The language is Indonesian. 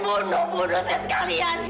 bunuh bunuh saya sekalian